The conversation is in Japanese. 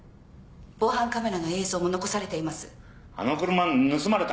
防犯カメラの映像も残されています。